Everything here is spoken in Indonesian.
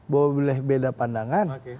boleh beda pandangan